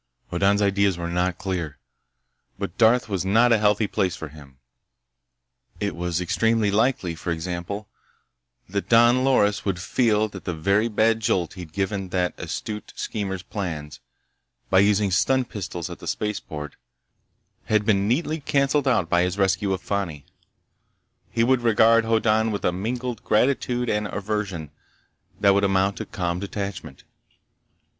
Hoddan's ideas were not clear. But Darth was not a healthy place for him. It was extremely likely, for example, that Don Loris would feel that the very bad jolt he'd given that astute schemer's plans, by using stun pistols at the spaceport, had been neatly canceled out by his rescue of Fani. He would regard Hoddan with a mingled gratitude and aversion that would amount to calm detachment.